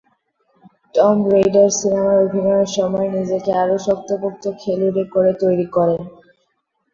Tomb Raider সিনেমায় অভিনয়ের সময়ে নিজেকে আরও শক্তপোক্ত খেলুড়ে করে তৈরি করেন।